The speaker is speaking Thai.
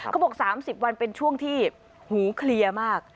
เขาบอก๓๐วันเป็นช่วงที่หูเคลียร์มาก